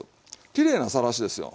きれいなさらしですよ。